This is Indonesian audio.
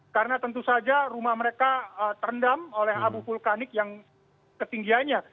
karena tentu saja rumah mereka terendam oleh abu vulkanik yang ketinggianya